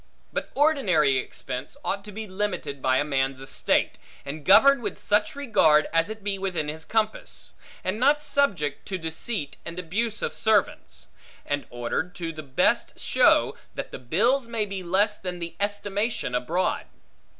But ordinary expense, ought to be limited by a man's estate; and governed with such regard, as it be within his compass; and not subject to deceit and abuse of servants; and ordered to the best show, that the bills may be less than the estimation abroad.